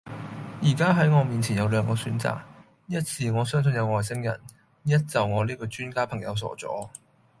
依家系我面前有兩個選擇，一是我相信有外星人，一就我呢個專家朋友傻左